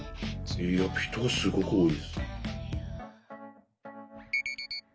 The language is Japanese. いや人がすごく多いです。